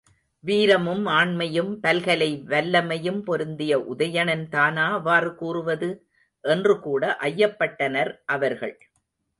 வீரமும் ஆண்மையும் பல்கலை வல்லமையும் பொருந்திய உதயணன்தானா அவ்வாறு கூறுவது? என்று கூட ஐயப்பட்டனர் அவர்கள்.